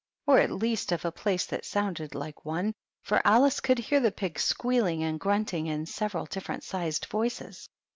or at least of a place that sounded like one, for Alice could hear the pigs squealing and grunting in several different sized voices.